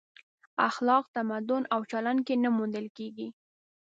اخلاق تمدن او چلن کې نه موندل کېږي.